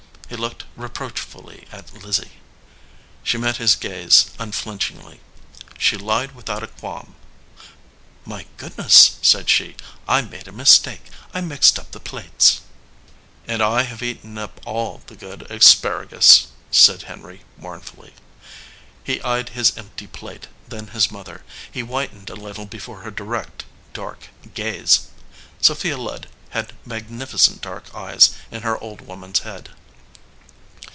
He looked reproachfully at "Lizzie. She met his eyes unflinchingly. She lied with out a qualm. "My goodness !" said she. "I made a mistake. I mixed up the plates." "And I have eaten up all the good asparagus," said Henry, mournfully. He eyed his empty plate, then his mother. He whitened a little before her direct, dark gaze. Sophia Ludd had magnificent dark eyes in her old woman s head.